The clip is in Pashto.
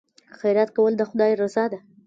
خیرات کول د خدای رضا ده.